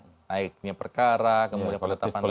naiknya perkara kemudian pertetapan